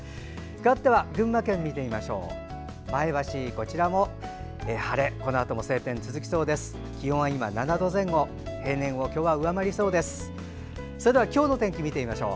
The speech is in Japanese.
かわって群馬県を見てみましょう。